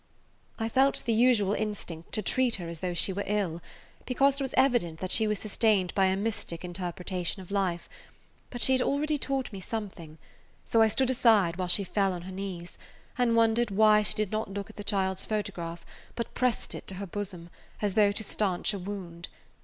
I felt the usual instinct to treat her as though she were ill, because it was evident that she was sustained by a mystic interpretation of life. But she had already taught me something, so I stood aside while she fell on her knees, and wondered why she did not look at the [Page 157] child's photograph, but pressed it to her bosom, as though to stanch a wound.